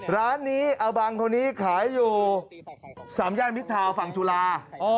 ร้านนี้เอาบางคนนี้ขายอยู่สามอย่างมิดเทาฝั่งจุฬา